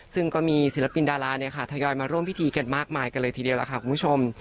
ซึ่งก็มีศิลปินดาราทยอยมาร่วมพิธีกันมากมายกันเลยทีเดียวล่ะค่ะคุณผู้ชม